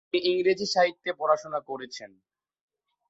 তিনি ইংরেজি সাহিত্যে পড়াশোনা করেছেন।